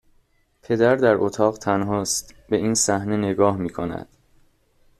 پدر در اتاق تنهاست. به این صحنه نگاه میکند